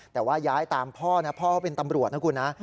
แต่ว่าย้ายตามพ่อนะพ่อเขาเป็นตำรวจนะคุณนะ